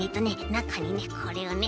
なかにこれをね